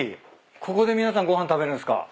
ここで皆さんご飯食べるんすか。